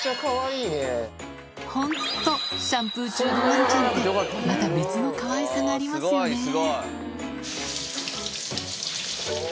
ホンットシャンプー中のワンちゃんってまた別のかわいさがありますよねおぉ！